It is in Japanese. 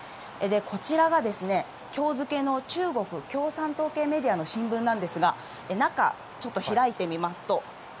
こちらが、きょう付けの中国共産党系メディアの新聞なんですが、中、ちょっと開いてみますと。